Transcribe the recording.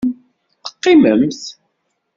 Teqqimemt.